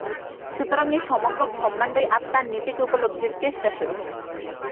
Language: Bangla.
সুতরাং এই সমগ্র ব্রহ্মাণ্ডই আত্মার নিজেকে উপলব্ধির চেষ্টাস্বরূপ।